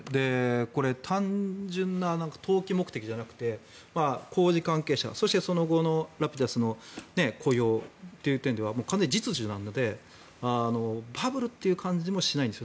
これ、単純な投機目的じゃなくて工事関係者、そして、その後のラピダスの雇用という点では完全に実需なのでバブルという感じもしないんです。